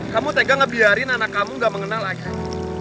kamu tega ngebiarin anak kamu gak mengenal akhir akhir